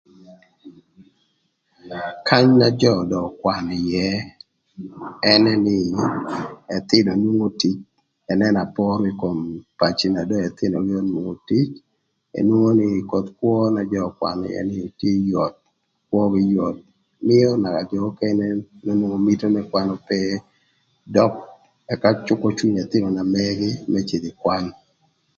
Kanya jö dong ökwanö ïë ënë nï ëthïnö nwongo tic ënënö apor mërë kï ï kom paci na dong ëthïnögï onwongo tic enwongo nï koth kwö na jö n'ökwanö ïë nï tye yot kwögï yot mïö naka jö nökënë n'onwongo mito më kwan ope dök ëka cükö cwiny ëthïnö na mëgï më cïdhö ï kwan.